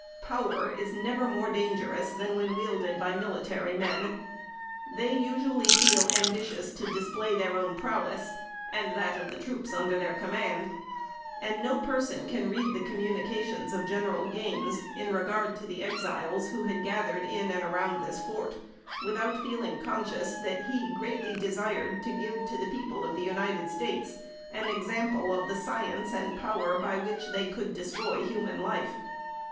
Power is never more dangerous than when wielded by military men. They usually feel ambitious to display their own prowess, and that of the troops under their command; and no person can read the communications of General Gaines, in regard to the Exiles who had gathered in and around this fort, without feeling conscious that he greatly desired to give to the people of the United States an example of the science and power by which they could destroy human life.